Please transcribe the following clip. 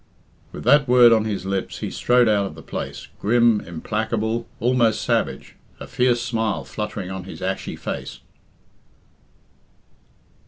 With that word on his lips he strode out of the place, grim, implacable, almost savage, a fierce smile fluttering on his ashy face.